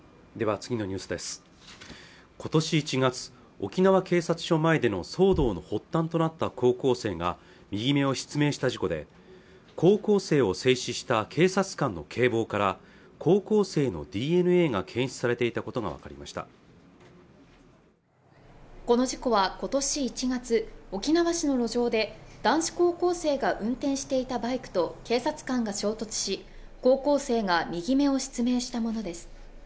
ことし１月沖縄警察署前での騒動の発端となった高校生が右目を失明した事故で高校生を制止した警察官の警棒から高校生のＤＮＡが検出されていたことが分かりましたこの事故はことし１月沖縄市の路上で男子高校生が運転していたバイクと警察官が衝突し高校生が右目を失明したものです